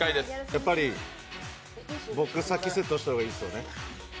やっぱり、僕先セットした方がいいですよね。